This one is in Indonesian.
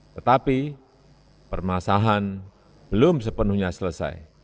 tetapi permasalahan belum sepenuhnya selesai